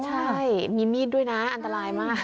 ใช่มีมีดด้วยนะอันตรายมาก